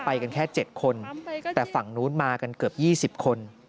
ไปกันแค่๗คนแต่ฝั่งนู้นมากันเกือบ๒๐คน